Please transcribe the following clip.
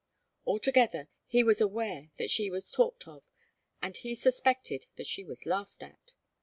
Altogether, he was aware that she was talked of and he suspected that she was laughed at.